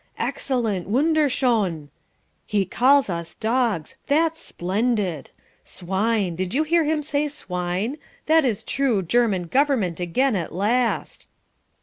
"Excellent, wunderschoen!" "He calls us dogs! That's splendid. Swine! Did you hear him say 'Swine'? This is true German Government again at last."